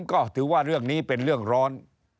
ก็ถือว่าเรื่องนี้เป็นเรื่องร้อน